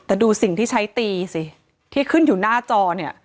แต่ดูสิ่งที่ใช้ตีสิที่ขึ้นอยู่หน้าจอเนี่ย